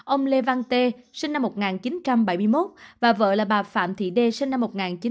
ông lê văn tê sinh năm một nghìn chín trăm bảy mươi một và vợ là bà phạm thị đê sinh năm một nghìn chín trăm tám mươi